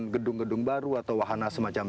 gedung gedung baru atau wahana semacam